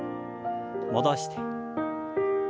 戻して。